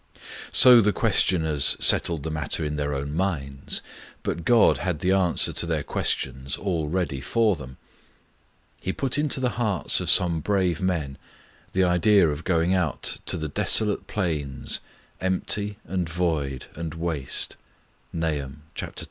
NOTICE SPARE PEN PLACED BEHIND THE CLERK'S EAR] So the questioners settled the matter in their own minds; but God had the answer to their questions all ready for them. He put into the hearts of some brave men the idea of going out to the desolate plains, 'empty and void, and waste' (Nahum ii.